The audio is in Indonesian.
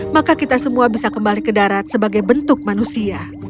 maka kita semua bisa kembali ke darat sebagai bentuk manusia